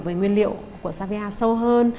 về nguyên liệu của savia sâu hơn